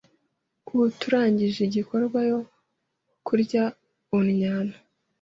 Uu turangije igikorwa yo kurya uunnyano